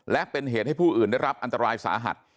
และเป็นเหตุให้ผู้อื่นได้รับอันตรายสาหัส